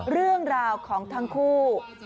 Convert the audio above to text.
เรื่องราวของทั้งคู่